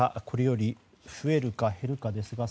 これより増えるか減るかです。